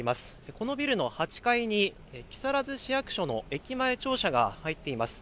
このビルの８階に木更津市役所の駅前庁舎が入っています。